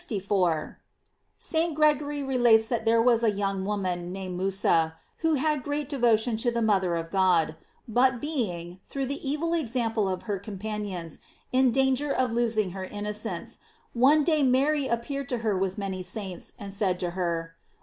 — St. Gregory relates that there was a young woman named Musa, who had great de votion to the mother of God; but being, through the evil example of her companions, in danger of losing her innocence, one day Mary appeared to her with many saints, and said to her: "Musa, * Aur.